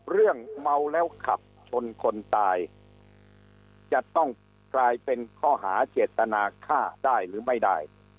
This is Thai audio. เรื่องเมาแล้วขับชนคนตายจะต้องกลายเป็นข้อหาเจตนาฆ่าได้หรือไม่ได้